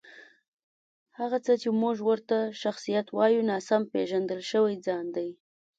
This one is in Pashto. هغه څه چې موږ ورته شخصیت وایو، ناسم پېژندل شوی ځان دی.